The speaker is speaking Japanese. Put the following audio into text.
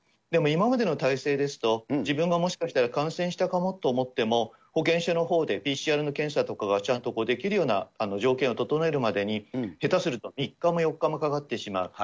でも今までの体制ですと、自分がもしかしたら感染したかもと思っても、保健所のほうでＰＣＲの検査とかができるような条件を整えるまでに、下手すると３日も４日もかかってしまう。